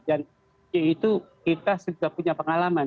dan itu kita sudah punya pengalaman